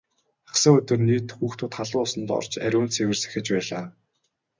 Хагас сайн өдөр нийт хүүхдүүд халуун усанд орж ариун цэвэр сахиж байлаа.